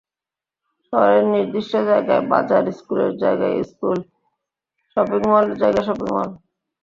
শহরের নির্দিষ্ট জায়গায় বাজার, স্কুলের জায়গায় স্কুল, শপিং মলের জায়গায় শপিং মল।